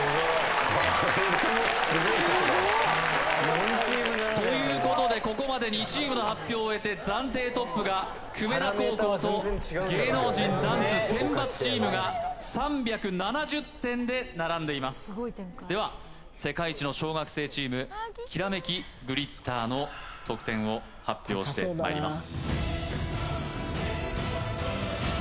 ・同点？ということでここまで２チームの発表を終えて暫定トップが久米田高校と芸能人ダンス選抜チームが３７０点で並んでいますでは世界一の小学生チームを発表してまいります